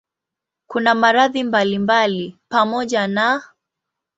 Kuna maradhi mbalimbali pamoja na